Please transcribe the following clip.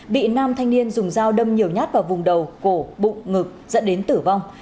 bị nam thanh niên dùng dao đâm nhiều nhát vào vùng đầu cổ bụng ngực dẫn đến tử vong